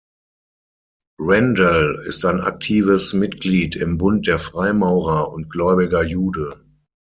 Rendell ist ein aktives Mitglied im Bund der Freimaurer und gläubiger Jude.